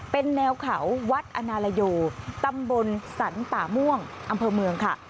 เป็นแนวเขาวัดอนาลโยตำบลสรรป่าม่วงอำเภอเมืองค่ะ